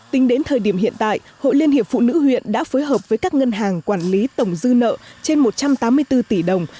tính đến thời điểm hiện tại hội liên hiệp phụ nữ huyện đã phối hợp với các ngân hàng quản lý tổng dư nợ trên một trăm tám mươi bốn tỷ đồng